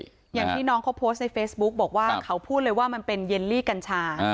อย่างที่น้องเขาโพสต์ในเฟซบุ๊กบอกว่าเขาพูดเลยว่ามันเป็นเยลลี่กัญชา